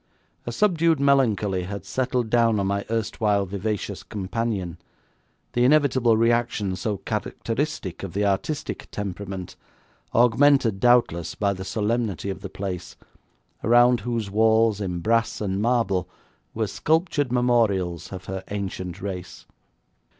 A subdued melancholy had settled down on my erstwhile vivacious companion, the inevitable reaction so characteristic of the artistic temperament, augmented doubtless by the solemnity of the place, around whose walls in brass and marble were sculptured memorials of her ancient race.